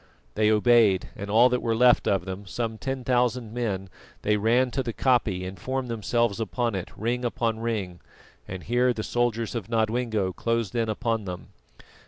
They obeyed, and all that were left of them, some ten thousand men, they ran to the koppie and formed themselves upon it, ring above ring, and here the soldiers of Nodwengo closed in upon them.